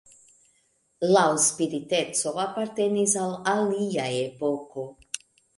Laŭ spiriteco apartenis al alia epoko.